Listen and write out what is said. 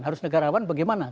harus negarawan bagaimana